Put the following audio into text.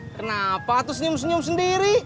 kenapa tuh senyum senyum sendiri